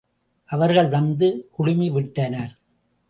அவர்கள் வந்து குழுமிவிட்டனர்.